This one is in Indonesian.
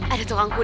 ada tukang kuda